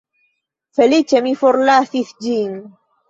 Feliĉe mi forlasis ĝin.